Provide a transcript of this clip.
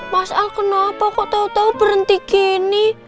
mas al kenapa kok tau tau berhenti gini